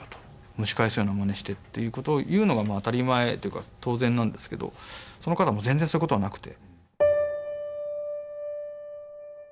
蒸し返すようなまねしてっていうことを言うのが当たり前というか当然なんですけどその方もう全然そういうことはなくて。